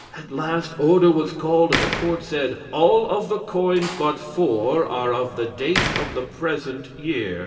At last order was called and the court said: "All of the coins but four are of the date of the present year.